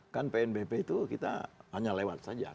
kan pnbp itu kita hanya lewat saja